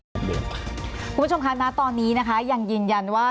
คุณผู้ชมคะณตอนนี้นะคะยังยืนยันว่า